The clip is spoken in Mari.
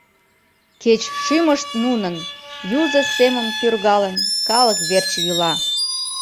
Кеч шӱмышт нунын, юзо семым пӱргалын, калык верч йӱла.